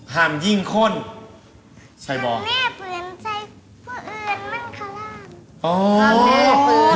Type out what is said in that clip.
ห่ามยิ่งข้นใช่บ้างห่ามแน่ปืนใส่ผู้อื่นมันคลำ